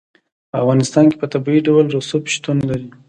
په افغانستان کې په طبیعي ډول رسوب شتون لري.